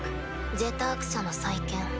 「ジェターク社」の再建。